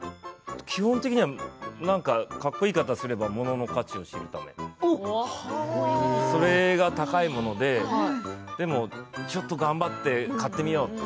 基本的にはかっこ言い方をすれば物の価値を知るためそれが高いものでもちょっと頑張って買ってみようと。